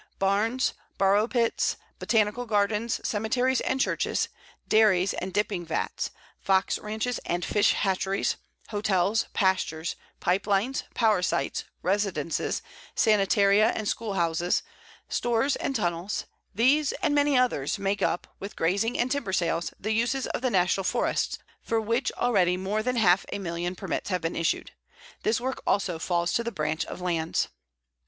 Barns, borrow pits, botanical gardens, cemeteries and churches, dairies and dipping vats, fox ranches and fish hatcheries, hotels, pastures, pipe lines, power sites, residences, sanitaria and school houses, stores and tunnels, these and many others make up, with grazing and timber sales, the uses of the National Forests, for which already more than half a million permits have been issued. This work also falls to the Branch of Lands.